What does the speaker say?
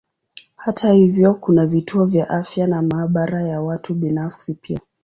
Hata hivyo kuna vituo vya afya na maabara ya watu binafsi pia.